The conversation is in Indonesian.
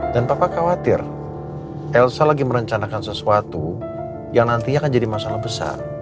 papa khawatir elsa lagi merencanakan sesuatu yang nantinya akan jadi masalah besar